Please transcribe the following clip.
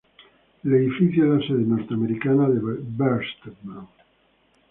El edificio es la sede norteamericana de Bertelsmann.